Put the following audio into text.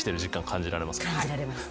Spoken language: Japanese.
感じられます。